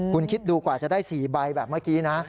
คุณคิดดูกว่าจะได้๔ใบแบบเมื่อกี้นะ